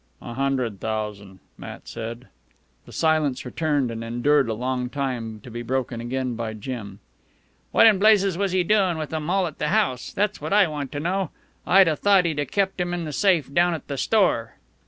"A hundred thousan'," Matt said. The silence returned and endured a long time, to be broken again by Jim. "What in blazes was he doin' with 'em all at the house? that's what I want to know. I'd a thought he'd kept 'em in the safe down at the store."